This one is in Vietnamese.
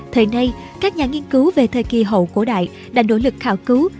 thời nay các nhà nghiên cứu về thời kỳ hậu cổ đại đã nỗ lực khảo cứu